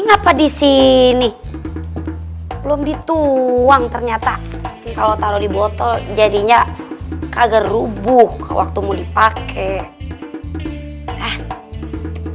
kenapa di sini belum dituang ternyata kalau taruh di botol jadinya kagak rubuh waktu mau dipakai eh